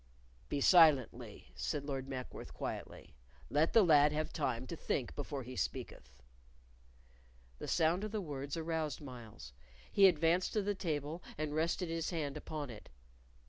"Be silent, Lee," said Lord Mackworth, quietly. "Let the lad have time to think before he speaketh." The sound of the words aroused Myles. He advanced to the table, and rested his hand upon it.